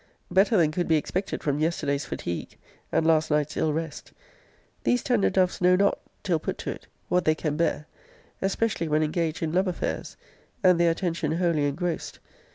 Better than could be expected from yesterday's fatigue, and last night's ill rest. These tender doves know not, till put to it, what they can bear; especially when engaged in love affairs; and their attention wholly engrossed.